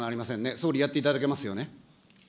総理、やっていただけますよね。